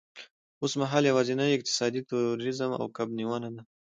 اوسمهال یوازېنی اقتصاد تورېزم او کب نیونه ده.